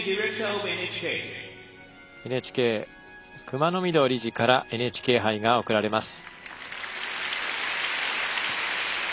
ＮＨＫ熊埜御堂理事からＮＨＫ杯が贈られます。